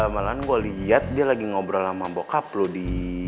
malahan gue lihat dia ghi ngobrol ama bokap lu dii